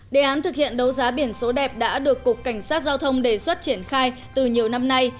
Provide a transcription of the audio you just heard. đề án thực hiện đấu giá biển số đẹp đã được cục cảnh sát giao thông đề xuất triển khai từ nhiều năm nay